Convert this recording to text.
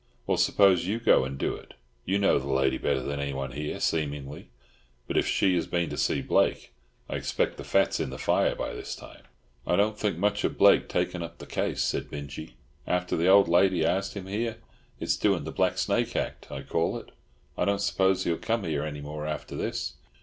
"Well, suppose you go and do it. You know the lady better than anyone here, seemingly. But if she has been to see Blake, I expect the fat's in the fire by this time." "I don't think much of Blake takin' up the case," said Binjie, "after the old lady asked him here. It's doing the black snake act, I call it. I don't suppose he'll come here any more after this."